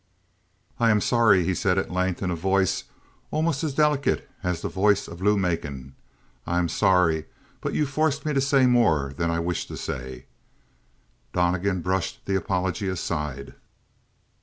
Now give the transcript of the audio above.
"I am sorry," he said at length in a voice almost as delicate as the voice of Lou Macon. "I am sorry, but you forced me to say more than I wished to say." Donnegan brushed the apology aside.